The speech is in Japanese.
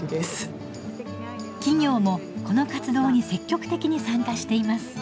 企業もこの活動に積極的に参加しています。